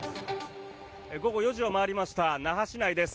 午後４時を回りました那覇市内です。